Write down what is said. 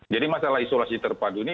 jadi masalah isolasi terpadu ini